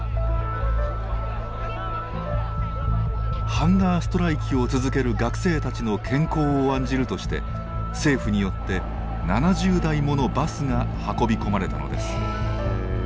ハンガーストライキを続ける学生たちの健康を案じるとして政府によって７０台ものバスが運び込まれたのです。